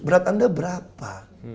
berat anda berapa